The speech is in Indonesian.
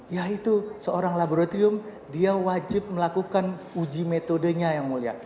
yaitu seorang laboratorium dia wajib melakukan uji metodenya yang mulia